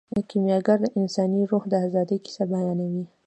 کیمیاګر د انساني روح د ازادۍ کیسه بیانوي.